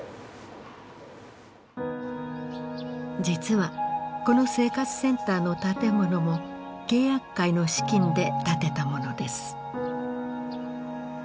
実はこの生活センターの建物も契約会の資金で建てたものです。